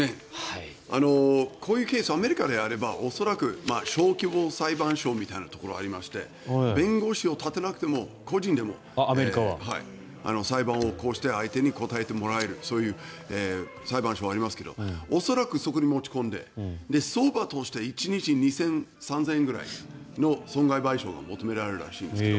こういうケースアメリカであれば恐らく、小規模裁判所みたいなところがありまして弁護士を立てなくても個人でも裁判を起こして相手に答えてもらえるそういう裁判所がありますが恐らく、そこに持ち込んで相場として１日２０００３０００円ぐらいの損害賠償が求められるらしいんですけど